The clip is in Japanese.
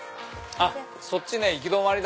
そっちね行き止まり。